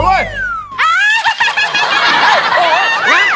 ไปหรือย